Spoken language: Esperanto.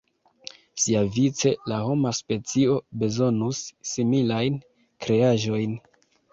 Siavice, la homa specio bezonus similajn kreaĵojn.